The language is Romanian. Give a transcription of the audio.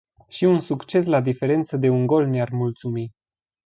Și un succes la diferență de un gol ne-ar mulțumi.